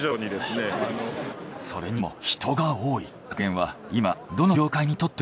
それにしても人が多い。